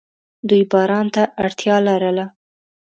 دوی باران ته اړتیا لرله.